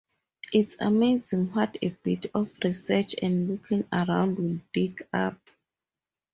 It's amazing what a bit of research and looking around will dig up.